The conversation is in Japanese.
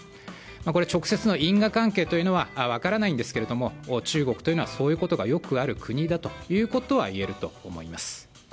直接の因果関係は分からないんですが中国というのはそういうことがよくある国だということは言えると思います。